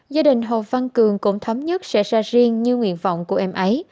gia đình hồ văn cường cũng thấm nhất sẽ ra riêng như nguyện vọng của em ấy